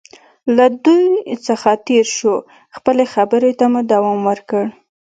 له دوی څخه تېر شو، خپلې خبرې ته مو دوام ورکړ.